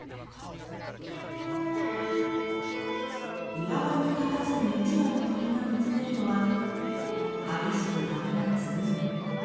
岩場にたたずむ一羽の鳥が見つめるのは激しく波立つ海。